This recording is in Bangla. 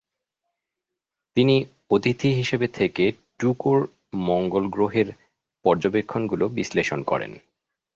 তিনি অতিথি হিসেবে থেকে ট্যুকোর মঙ্গল গ্রহের পর্যবেক্ষণগুলো বিশ্লেষণ করেন।